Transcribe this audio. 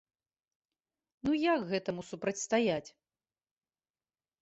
Ну як гэтаму супрацьстаяць?